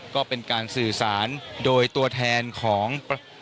ก็เป็นการสื่อสารโดยตัวแทนของ